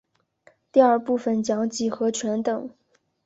第二部份讲几何全等。